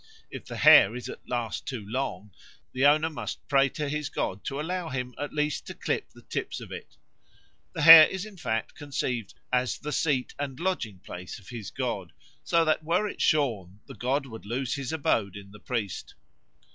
If the hair is at last too long, the owner must pray to his god to allow him at least to clip the tips of it. The hair is in fact conceived as the seat and lodging place of his god, so that were it shorn the god would lose his abode in the priest."